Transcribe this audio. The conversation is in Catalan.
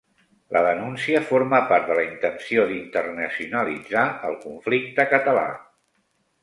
La denúncia forma part de la intenció d'internacionalitzar el conflicte català